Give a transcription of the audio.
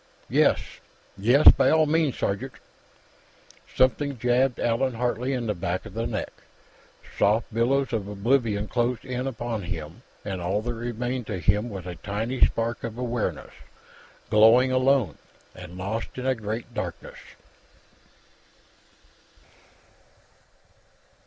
"Yes, yes; by all means, sergeant." Something jabbed Allan Hartley in the back of the neck. Soft billows of oblivion closed in upon him, and all that remained to him was a tiny spark of awareness, glowing alone and lost in a great darkness.